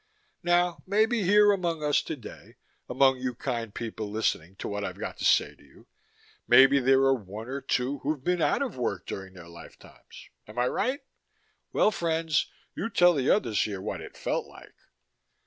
Now, maybe here among us today, among you kind people listening to what I've got to say to you, maybe there are one or two who've been out of work during their lifetimes. Am I right? Well, friends, you tell the others here what it felt like.